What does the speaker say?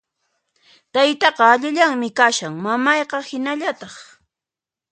Taytaqa allillanmi kashan, mamayqa hinallataq